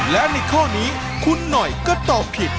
และในข้อนี้คุณหน่อยก็ตอบผิด